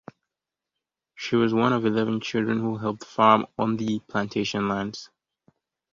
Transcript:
She was one of eleven children who helped farm on the plantation lands.